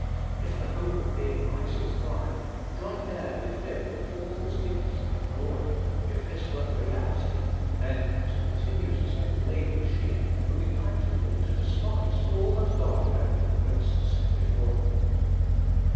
If the hope of being Isaac's bride, joint heir with him of all his dignity and glory, if this were a reality, then to continue to tend Laban's sheep would be practically to despise all that God had in grace set before her.